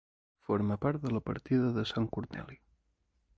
Forma part de la Partida de Sant Corneli.